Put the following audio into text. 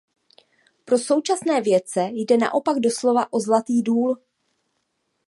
Pro současné vědce jde naopak doslova o zlatý důl.